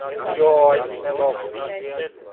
Јој, не могу.